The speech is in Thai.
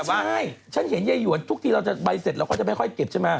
ใช่ฉันเห็นยายหวนทุกทีเราจะใบเสร็จเราก็จะไม่ค่อยเก็บใช่ไหม